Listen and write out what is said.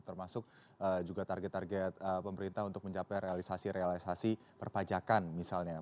termasuk juga target target pemerintah untuk mencapai realisasi realisasi perpajakan misalnya